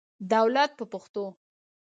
دولت په پښتو.